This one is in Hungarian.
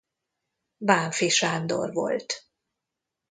Bánffy Sándor volt.